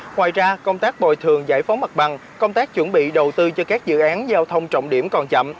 ngoài ra công tác bồi thường giải phóng mặt bằng công tác chuẩn bị đầu tư cho các dự án giao thông trọng điểm còn chậm